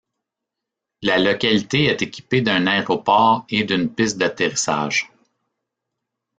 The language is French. La localité est équipée d’un aéroport et d’une piste d’atterrissage.